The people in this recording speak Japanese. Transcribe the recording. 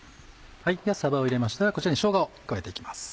さばを入れましたらこちらにしょうがを加えて行きます。